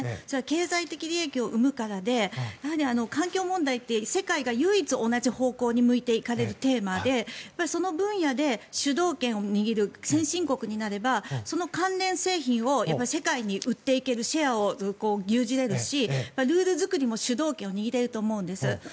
それは経済的利益を生むからで環境問題って世界が唯一同じ方向に向いていかれるテーマでその分野で主導権を握る先進国になれば、その関連製品を世界に売っていけるシェアを牛耳れるしルール作りも主導権を握れると思うんです。